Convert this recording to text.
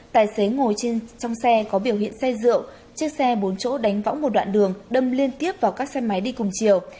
tài xế ngồi trên trong xe có biểu hiện xe rượu chiếc xe bốn chỗ đánh võng một đoạn đường đâm liên tiếp vào các xe máy đi cùng chiều